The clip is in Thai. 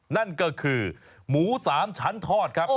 นั่นก็คือหมู๓ชั้นทอดครับ